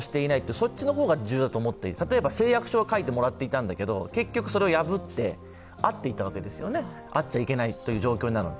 そっちの方が重要で例えば誓約書は書いてもらっていたんだけれども、結局それを破って、会っていたわけですよね、会ってはいけない状況なのに。